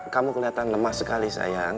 kamu kelihatan lemah sekali sayang